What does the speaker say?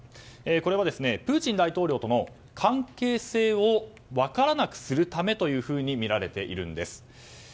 これはプーチン大統領との関係性を分からなくするためとみられているんです。